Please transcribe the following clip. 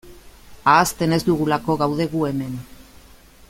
Ahazten ez dugulako gaude gu hemen.